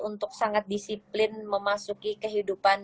untuk sangat disiplin memasuki kehidupan